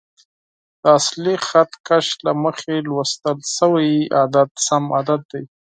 د اصلي خط کش له مخې لوستل شوی عدد سم عدد دی.